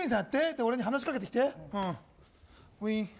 俺に話しかけてきて。